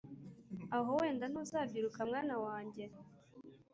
Aho wenda ntuzabyiruka mwana wanjye